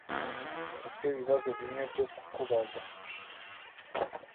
Dufite ibibazo bimwe byo kukubaza.